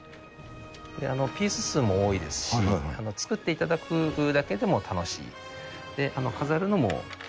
ピース数も多いですし、作っていただくだけでも楽しい。